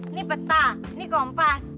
ini peta ini kompas